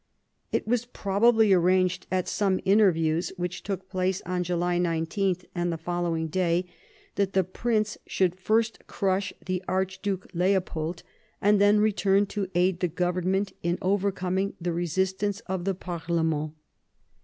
It was probably arranged at some interviews which took place on July 19 and the follow ing day that the prince should first crush the Archduke Leopold and then return to aid the government in overcoming the resistance of the pademmt.